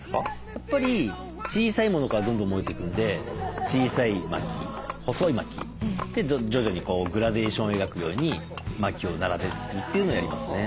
やっぱり小さいものからどんどん燃えていくんで小さい薪細い薪で徐々にグラデーションを描くように薪を並べるっていうのをやりますね。